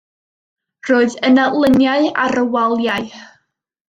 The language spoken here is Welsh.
Roedd yna luniau ar y waliau.